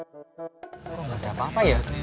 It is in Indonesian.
kok nggak ada apa apa ya